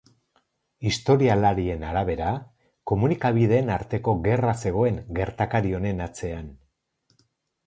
Historialarien arabera komunikabideen arteko gerra zegoen gertakari honen atzean.